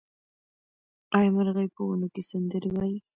آیا مرغۍ په ونو کې سندرې وايي؟